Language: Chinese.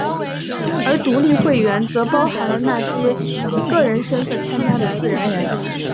而独立会员则包含了那些以个人身份参加的自然人。